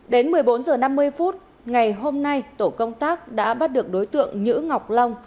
đến một mươi bốn h năm mươi phút ngày hôm nay tổ công tác đã bắt được đối tượng nhữ ngọc long